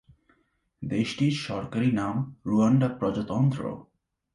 দেশটির সরকারি নাম রুয়ান্ডা প্রজাতন্ত্র।